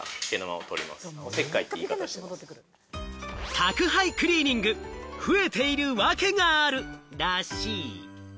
宅配クリーニング、増えている訳があるらしい。